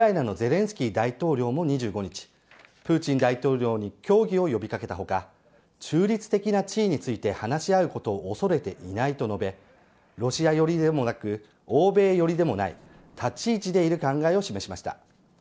一方ウクライナのゼレンスキー大統領も２５日プーチン大統領に協議を呼び掛けた他中立的な地位について話し合うことを恐れていないと述べロシアよりでもなく欧米よりでもない立ち位置でいる考えを示しました。